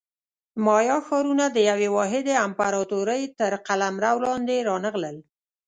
مایا ښارونه د یوې واحدې امپراتورۍ تر قلمرو لاندې رانغلل